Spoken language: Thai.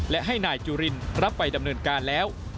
และให้นายจุรินรับไปดำเนินการแล้ว